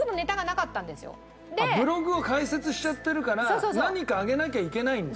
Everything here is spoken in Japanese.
ブログを開設しちゃってるから何かあげなきゃいけないんだ。